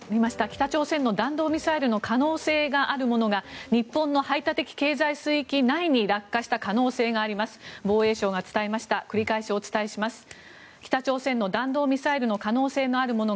北朝鮮の弾道ミサイルの可能性があるものが日本の排他的経済水域内に落下した可能性があります。